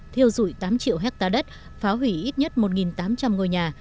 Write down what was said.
thiêu dụi tám triệu hectare đất phá hủy ít nhất một tám trăm linh ngôi nhà